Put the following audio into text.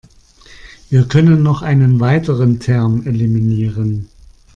Wir können noch einen weiteren Term eliminieren.